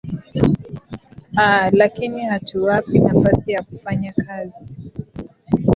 aa lakini hatuwapi nafasi ya kufanya kazi